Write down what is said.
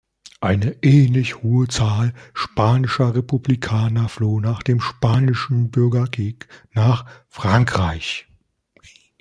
Eine ähnlich hohe Zahl spanischer Republikaner floh nach dem Spanischen Bürgerkrieg nach Frankreich.